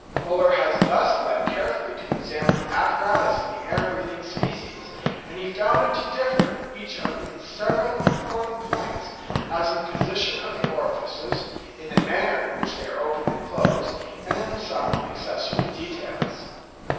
Müller was thus led carefully to examine the apparatus in the air breathing species; and he found it to differ in each in several important points, as in the position of the orifices, in the manner in which they are opened and closed, and in some accessory details.